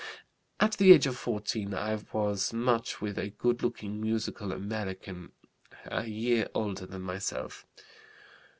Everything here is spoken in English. "At the age of 14 I was much with a good looking, musical American, a year older than myself.